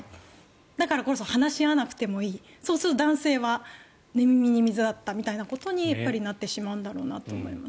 だからこそ話し合わなくてもいいそうすると男性は寝耳に水だったみたいなことになってしまうんだろうなと思います。